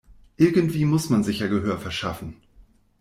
Irgendwie muss man sich ja Gehör verschaffen.